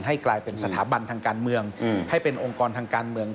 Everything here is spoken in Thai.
กลายเป็นสถาบันทางการเมืองให้เป็นองค์กรทางการเมือง